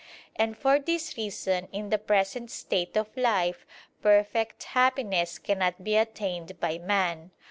And for this reason in the present state of life, perfect happiness cannot be attained by man.